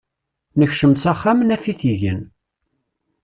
Nekcem s axxam, naf-it igen.